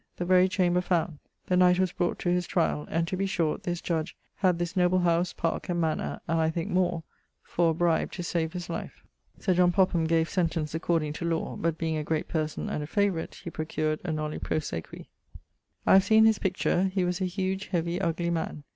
The very chamber found. The knight was brought to his tryall; and to be short, this judge had this noble howse, parke, and mannor, and (I thinke) more, for a bribe to save his life[LX.]. [LX.] Sir John Popham gave sentence according to lawe; but being a great person and a favourite, he procured a noli prosequi. I have seen his picture; he was a huge, heavie, ugly man.